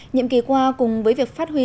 nhiệm kỳ qua cùng với việc phát huy